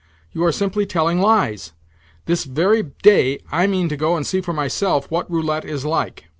You are simply telling lies. This very day I mean to go and see for myself what roulette is like.